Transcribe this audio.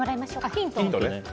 ヒントね。